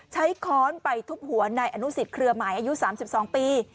ค้อนไปทุบหัวนายอนุสิตเครือหมายอายุ๓๒ปี